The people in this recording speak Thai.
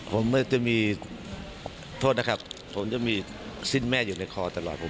ผมจะมีโทษนะครับผมจะมีสิ้นแม่อยู่ในคอตลอดผม